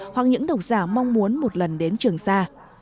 hoặc những độc giả mong muốn một lần đến trường sa